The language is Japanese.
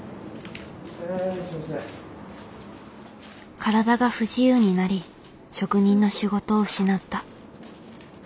体が不自由になり職人の仕事を失った。